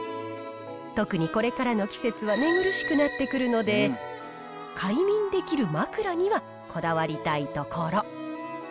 特にこれからの季節は寝苦しくなってくるので快眠できる枕にはこだわりたいところ。